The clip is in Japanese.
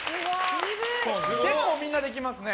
結構みんなできますね。